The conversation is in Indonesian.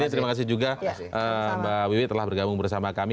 terima kasih juga mbak wiwi telah bergabung bersama kami